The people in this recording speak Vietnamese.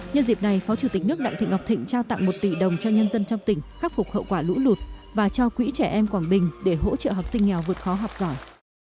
nhân dịp này phó chủ tịch nước đặng thị ngọc thịnh trao tặng một tỷ đồng cho nhân dân trong tỉnh khắc phục hậu quả lũ lụt và cho quỹ trẻ em quảng bình để hỗ trợ học sinh nghèo vượt khó học giỏi